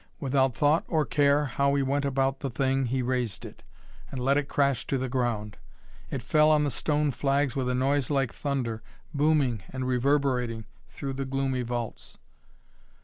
Without thought or care how he went about the thing, he raised it and let it crash to the ground. It fell on the stone flags with a noise like thunder, booming and reverberating through the gloomy vaults.